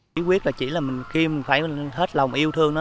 chí quyết là chỉ là khi mình phải hết lòng yêu thương nó